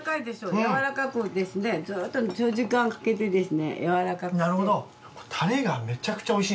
やわらかくですねずっと時間かけてですねやわらかくして。